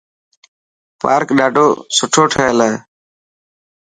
پارڪ ڏاڌو سٺو ٺهيل هي.